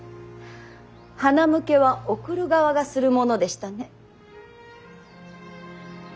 はなむけは送る側がするものでしたね。